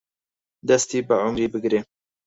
دەستی بە عومری بگرێ